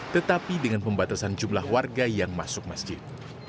tetapi dengan pembatasan jumlah warga yang masuk masjid